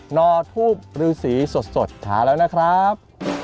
อทูปฤษีสดทาแล้วนะครับ